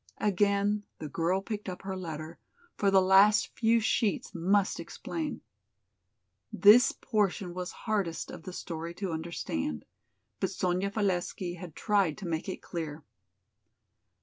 Again the girl picked up her letter, for the last few sheets must explain. This portion was hardest of the story to understand, but Sonya Valesky had tried to make it clear.